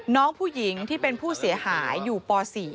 น้องผู้หญิงที่เป็นผู้เสียหายอยู่ป๔